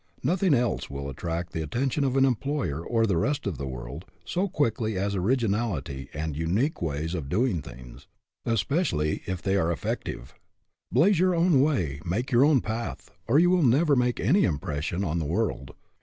Nothing else will attract the at 163 164 ORIGINALITY tcntion of an employer or the rest of the world so quickly as originality and unique ways of doing things, especially if they are effective. Blaze your own way, make your own path, or you will never make any impression on the world.